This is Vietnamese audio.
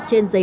trên giấy tờ